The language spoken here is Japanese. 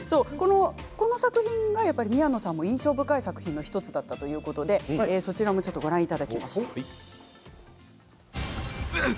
この作品がやっぱり宮野さんの印象深い作品の１つだったということでご覧いただきましょう。